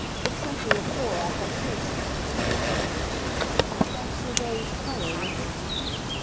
It's simply a poor affectation." "That's your rose colour, is it?"